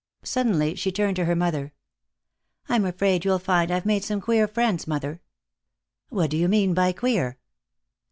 Suddenly she turned to her mother. "I'm afraid you'll find I've made some queer friends, mother." "What do you mean by 'queer'?"